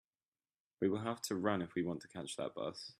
We will have to run if we want to catch that bus.